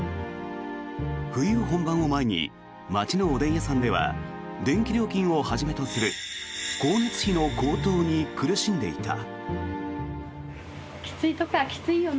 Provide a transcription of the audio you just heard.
冬本番を前に街のおでん屋さんでは電気料金をはじめとする光熱費の高騰に苦しんでいた。